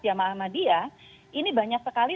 jamaah ahmadiyah ini banyak sekali